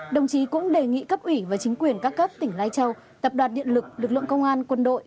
đồng chí cũng đề nghị cấp ủy và chính quyền các cấp tỉnh lai châu tập đoàn điện lực lực lượng công an quân đội